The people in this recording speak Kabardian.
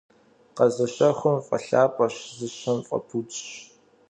Къэзыщэхум фӀэлъапӀэщ, зыщэм фӀэпудщ.